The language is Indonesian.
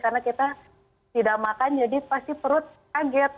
karena kita tidak makan jadi pasti perut kaget